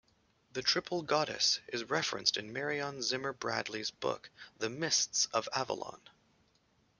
The triple goddess is referenced in Marion Zimmer Bradley's book The Mists of Avalon.